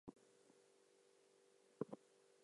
Kim Jongtae's wife and two children were never seen again.